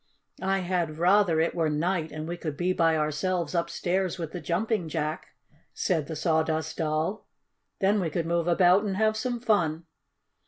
"I had rather it were night and we could be by ourselves upstairs with the Jumping Jack," said the Sawdust Doll. "Then we could move about and have some fun."